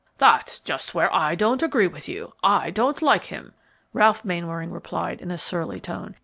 "That's just where I don't agree with you; I don't like him," Ralph Mainwaring replied in a surly tone.